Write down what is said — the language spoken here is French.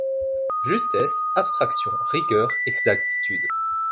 Justesse, abstraction, rigueur, exactitude